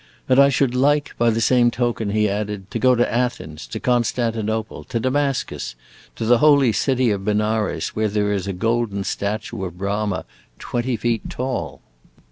"And I should like, by the same token," he added, "to go to Athens, to Constantinople, to Damascus, to the holy city of Benares, where there is a golden statue of Brahma twenty feet tall."